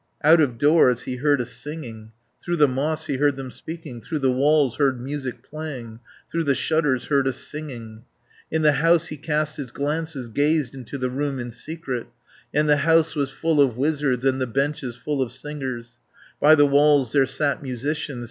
Out of doors he heard a singing, Through the moss he heard them speaking, 390 Through the walls heard music playing, Through the shutters heard a singing. In the house he cast his glances, Gazed into the room in secret, And the house was full of wizards, And the benches full of singers, By the walls there sat musicians.